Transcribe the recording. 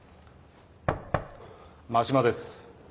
真島です。